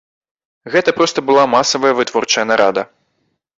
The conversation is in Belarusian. Гэта проста была масавая вытворчая нарада.